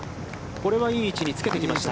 これはいい位置につけてきました。